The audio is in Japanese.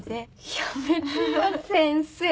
やめてよ先生は。